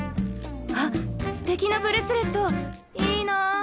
あっステキなブレスレットいいな。